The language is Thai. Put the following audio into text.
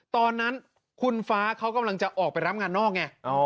ตอนนั้นคุณฟ้าเขากำลังจะออกไปรับงานนอกไง